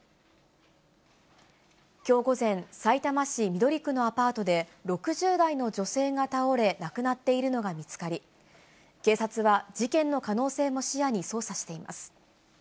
きょう午前、さいたま市緑区のアパートで、６０代の女性が倒れ、亡くなっているのが見つかり、警察は事件の可能性も視野に捜査しています。